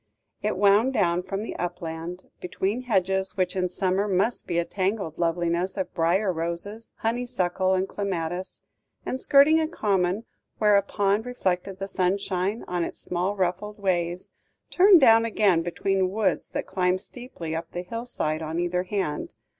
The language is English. It wound down from the upland, between hedges which in summer must be a tangled loveliness of briar roses, honeysuckle, and clematis; and, skirting a common where a pond reflected the sunshine on its small ruffled waves, turned down again between woods that climbed steeply up the hill side on either hand.